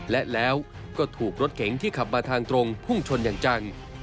และแล้วก็ถูกรถเก๋งที่ขับมาทางตรงพุ่งชนอย่างจัง